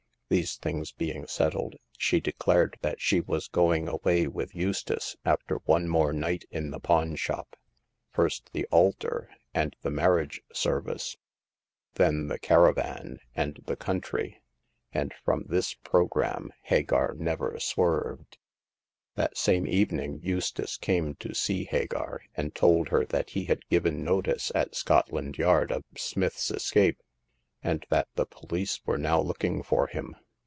These things being settled, she declared that she was going away with Eustace, after one more night in the pawn shop. First the altar and the marriage service ; then the caravan and the 288 Hagar of the Pawn Shop. \ country ; and from this program Hagar never swerved. That same evening Eustace came to see Hagar, and told her that he had given notice at Scot land Yard of Smith's escape, and that the police were now looking for him.